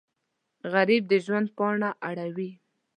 غریب د ژوند پاڼه نه اړوي